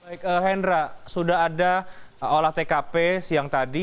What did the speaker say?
baik hendra sudah ada olah tkp siang tadi